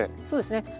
そうですね。